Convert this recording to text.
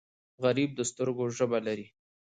غریب د سترګو ژبه لري